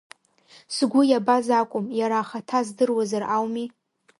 Сгәы иабаз акәым, иара ахаҭа здыруазар ауми!